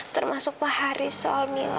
termasuk pak haris soal mila